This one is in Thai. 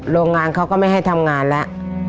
โรงงานเขาก็ไม่ให้ทำงานแล้ว